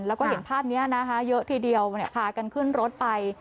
แล้วก็เห็นภาพนี้นะคะเยอะทีเดียวพากันขึ้นรถไป